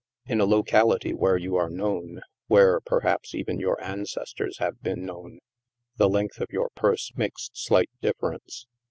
In a locality where you are known, where, per haps, even your ancestors have been known, the length of your purse makes slight difference.